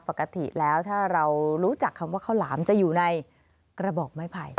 ปกติแล้วถ้าเรารู้จักคำว่าข้าวหลามจะอยู่ในกระบอกไม้ไผ่